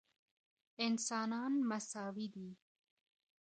انسانان مساوي دي.